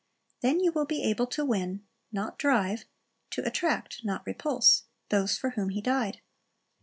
Then you will be able to win, not drive, to attract, not repulse, those for whom He died.